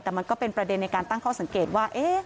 แต่มันก็เป็นประเด็นในการตั้งข้อสังเกตว่า